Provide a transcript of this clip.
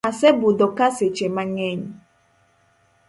Asebudhoka seche mangeny.